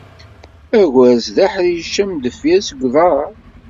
Agerz d aḥric amdeffir seg uḍar.